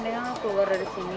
alhamdulillah aku keluar dari sini